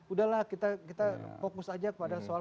udahlah kita fokus saja pada soal